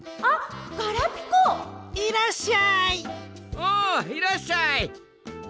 おいらっしゃい！